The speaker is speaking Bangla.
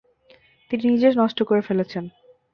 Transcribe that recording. তিনি নিজে নষ্ট করে ফেলেছেন।